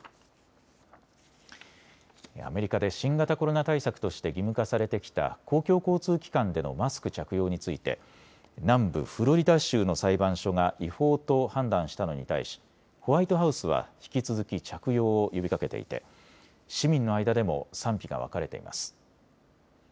アメリカで新型コロナ対策として義務化されてきた公共交通機関でのマスク着用について南部フロリダ州の裁判所が違法と判断したのに対しホワイトハウスは引き続き着用を呼びかけていて市民の間でも賛否が分かれています。